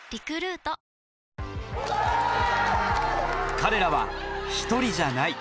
彼らは、一人じゃない。